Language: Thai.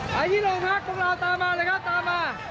ไปที่โรงพักพวกเราตามมาเลยครับตามมา